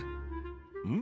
うん？